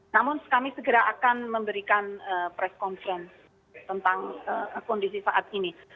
namun kami segera akan memberikan press conference tentang kondisi saat ini